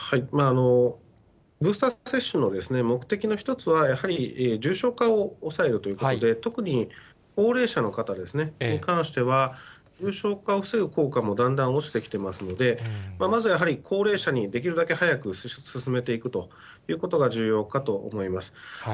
ブースター接種の目的の一つは、やはり重症化を抑えるということで、特に高齢者の方に関しては、重症化を防ぐ効果もだんだん落ちてきてますので、まずやはり高齢者にできるだけ早く進めていくということが重要かと思います。